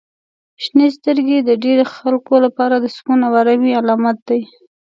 • شنې سترګې د ډیری خلکو لپاره د سکون او آرامۍ علامت دي.